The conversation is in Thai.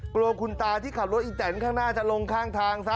กลัวคุณตาที่ขับรถอีแตนข้างหน้าจะลงข้างทางซะ